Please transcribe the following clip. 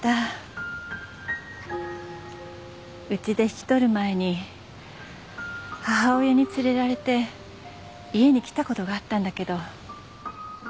うちで引き取る前に母親に連れられて家に来たことがあったんだけど。